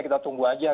kita tunggu saja